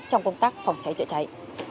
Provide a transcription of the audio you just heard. trong công tác phòng cháy chữa cháy